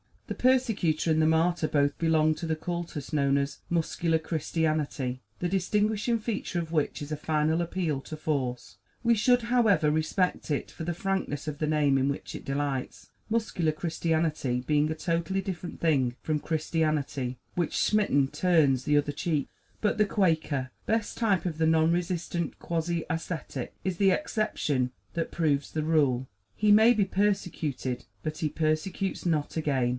The persecutor and the martyr both belong to the cultus known as "Muscular Christianity," the distinguishing feature of which is a final appeal to force. We should, however, respect it for the frankness of the name in which it delights Muscular Christianity being a totally different thing from Christianity, which smitten turns the other cheek. But the Quaker, best type of the non resistant quasi ascetic, is the exception that proves the rule; he may be persecuted, but he persecutes not again.